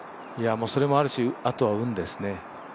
それもあるし、あとは運ですね。